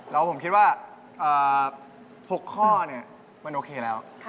แล้วผมคิดว่า๖ข้อมันโอเคแล้ว